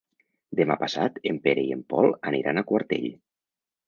Demà passat en Pere i en Pol aniran a Quartell.